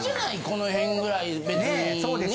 この辺ぐらい別に。